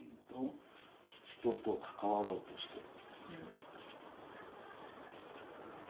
人と関わろうとしてる。